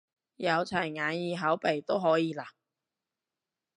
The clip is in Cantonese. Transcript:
有齊眼耳口鼻都可以啦？